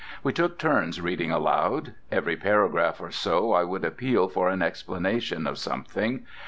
We took turns reading aloud: every paragraph or so I would appeal for an explanation of something.